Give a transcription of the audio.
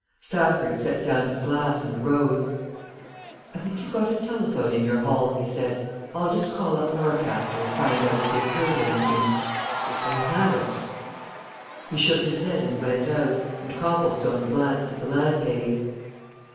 Stafford set down his glass and rose. "I think you've got a telephone in your hall," he said. "I'll just call up Norcaster and find out if they've heard anything. If they haven't " He shook his head and went out, and Copplestone glanced at the landlady.